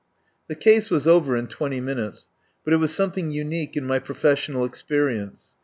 The case was over in twenty minutes, but it was something unique in my professional ex perience.